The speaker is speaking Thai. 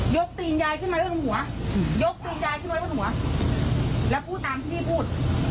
ตีนยายขึ้นมาบนหัวยกตีนยายขึ้นไว้บนหัวแล้วพูดตามที่พี่พูด